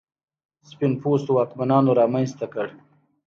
سپین پوستو واکمنانو رامنځته کړ.